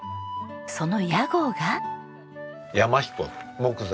その屋号が。